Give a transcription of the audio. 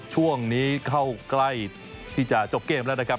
ช่วงนี้เข้าใกล้ที่จะจบเกมแล้วนะครับ